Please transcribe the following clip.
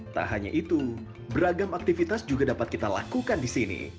tak hanya itu beragam aktivitas juga dapat kita lakukan di sini